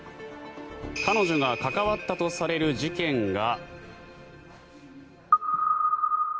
彼女が関わったとされる事件が。